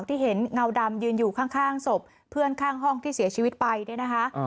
ที่เห็นเงาดำยืนอยู่ข้างศพเพื่อนข้างห้องที่เสียชีวิตไปเนี่ยนะคะ